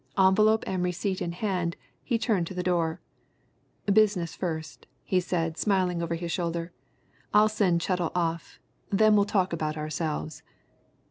Envelope and receipt in hand, he turned to the door. "Business first," he said, smiling over his shoulder. "I'll send Chettle off then we'll talk about ourselves."